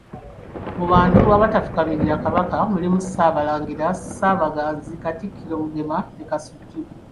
Mu bantu abatafukaamirira Kabaka mulimu Ssaabalangira, Ssaabaganzi, Katikkiro, Mugema ne Kasujju.